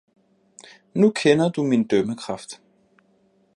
- Nu kender du min dømmekraft!